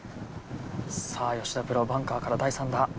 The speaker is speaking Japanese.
さあ吉田プロバンカーから第３打。